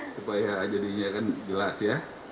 supaya jadinya jelas ya